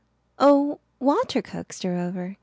"Oh, Walter coaxed her over.